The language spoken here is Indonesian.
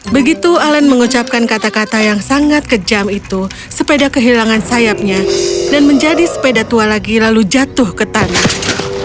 begitu alen mengucapkan kata kata yang sangat kejam itu sepeda kehilangan sayapnya dan menjadi sepeda tua lagi lalu jatuh ke tanah